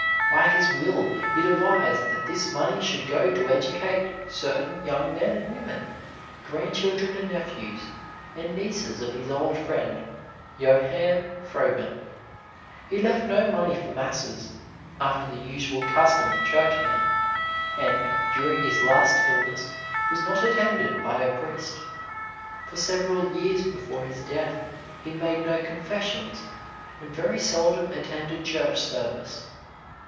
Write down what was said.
By his will he devised that this money should go to educate certain young men and women, grandchildren and nephews and nieces of his old friend, Johann Froben. He left no money for masses, after the usual custom of Churchmen, and during his last illness was not attended by a priest. For several years before his death he made no confessions and very seldom attended church service.